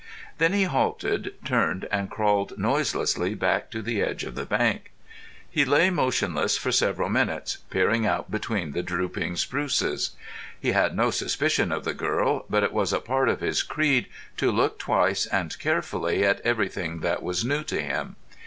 Then he halted, turned, and crawled noiselessly back to the edge of the bank. He lay motionless for several minutes, peering out between the drooping spruces. He had no suspicion of the girl, but it was a part of his creed to look twice and carefully at everything that was new to him.